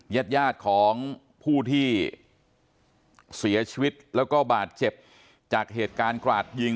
ญาติยาดของผู้ที่เสียชีวิตแล้วก็บาดเจ็บจากเหตุการณ์กราดยิง